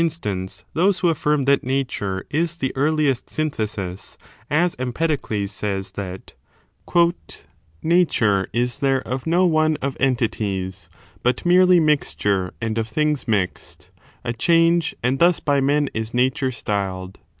stance, those who aflfirm that Nature is the earli est synthesis, as Empedocies says that " Nature is there of no one of entities, But merely mixture and of things mixed, A change, and thus by men is Nature styled."